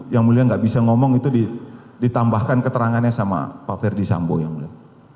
yang mulia nggak bisa ngomong itu ditambahkan keterangannya sama pak ferdi sambo yang mulia